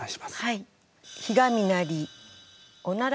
はい。